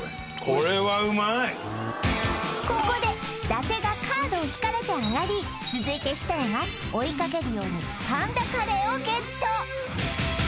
これここで伊達がカードを引かれてあがり続いて設楽が追いかけるように神田カレーをゲット！